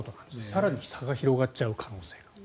更に差が広がっちゃう可能性がある。